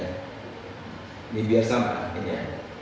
ini biar sama